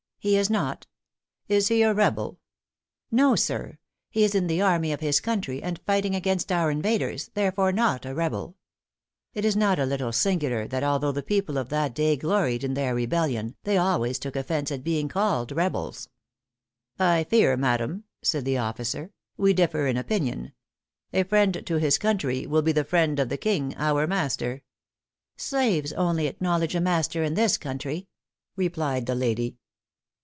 "He is not." "Is he a rebel?" "No sir. He is in the army of his country, and fighting against our invaders; therefore not a rebel." It is not a little singular, that although the people of that day gloried in their rebellion, they always took offence at being called rebels. "I fear, madam," said the officer, "we differ in opinion. A friend to his country will be the friend of the king, our master." "Slaves only acknowledge a master in this country," replied the lady.